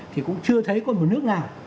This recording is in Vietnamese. thì cũng chưa thấy còn một nước nào